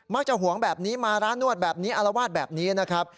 จะหวงแบบนี้มาร้านนวดแบบนี้อารวาสแบบนี้นะครับ